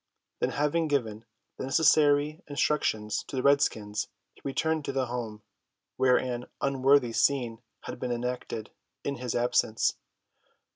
Then having given the necessary instructions to the redskins he returned to the home, where an unworthy scene had been enacted in his absence.